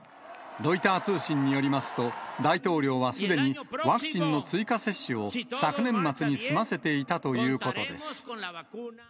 ロイター通信によりますと、大統領はすでに、ワクチンの追加接種を昨年末に済ませていたということです。